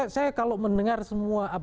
saya kalau mendengar semua